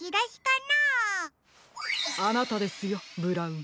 あなたですよブラウン。